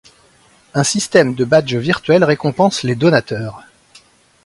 Un système de badge virtuel récompense les donateurs.